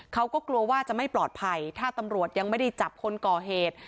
เขาก็กลัวว่าจะไม่ปลอดภัยถ้าตำรวจยังไม่ได้จับคนก่อเหตุ